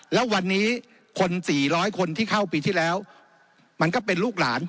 แล้ววันนี้คน๔๐๐คนที่เข้าปีที่แล้วมันก็เป็นลูกหลาน